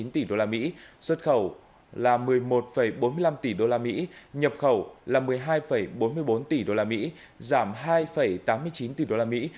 chín tỷ đô la mỹ xuất khẩu là một mươi một bốn mươi năm tỷ đô la mỹ nhập khẩu là một mươi hai bốn mươi bốn tỷ đô la mỹ giảm hai tám mươi chín tỷ đô la mỹ